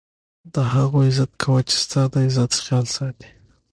د هغو عزت کوه، چي ستا دعزت خیال ساتي.